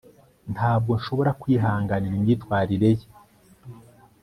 ntabwo nshobora kwihanganira imyitwarire ye